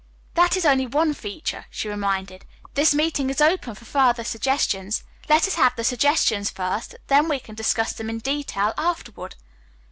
"That is only one feature," she reminded. "This meeting is open for further suggestions. Let us have the suggestions first, then we can discuss them in detail afterward."